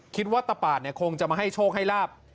ตะปาดเนี่ยคงจะมาให้โชคให้ลาบ